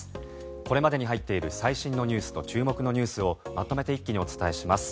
これまでに入っている最新ニュースと注目ニュースをまとめて一気にお伝えします。